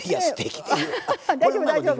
大丈夫大丈夫。